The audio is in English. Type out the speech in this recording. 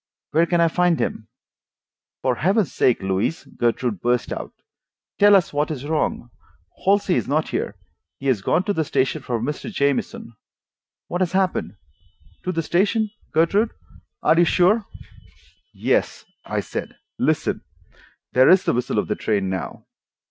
Where can I find him?" "For Heaven's sake, Louise," Gertrude burst out, "tell us what is wrong. Halsey is not here. He has gone to the station for Mr. Jamieson. What has happened?" "To the station, Gertrude? You are sure?" "Yes," I said. "Listen. There is the whistle of the train now."